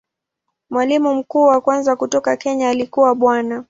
Mwalimu mkuu wa kwanza kutoka Kenya alikuwa Bwana.